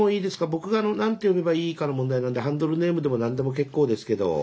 僕が何て呼べばいいかの問題なんでハンドルネームでも何でも結構ですけど。